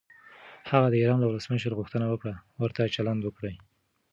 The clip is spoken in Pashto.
هغه د ایران له ولسمشر غوښتنه وکړه ورته چلند وکړي.